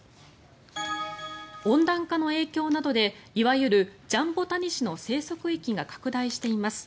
温暖化の影響などでいわゆるジャンボタニシの生息域が拡大しています。